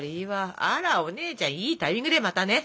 あらお姉ちゃんいいタイミングでまたね。